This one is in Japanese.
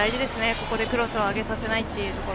ここでクロスを上げさせないところ。